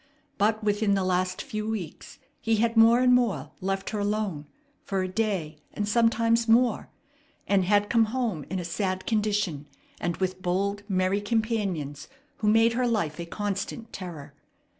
But within the last few weeks he had more and more left her alone, for a day, and sometimes more, and had come home in a sad condition and with bold, merry companions who made her life a constant terror.